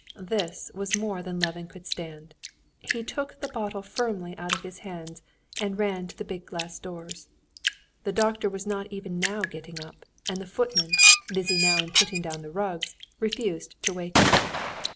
This was more than Levin could stand; he took the bottle firmly out of his hands, and ran to the big glass doors. The doctor was not even now getting up, and the footman, busy now in putting down the rugs, refused to wake him.